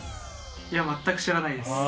いや全く知らないです。